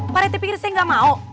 pak rete pikir saya gak mau